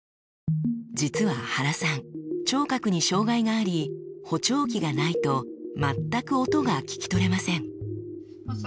実は原さん聴覚に障がいがあり補聴器がないと全く音が聞き取れません。